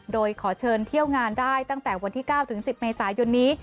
โดยขอเชิญเที่ยวงานได้ตั้งแต่วันที่๙ถึง๑๐เมษายนนี้